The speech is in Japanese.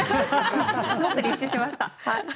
すごく練習しました。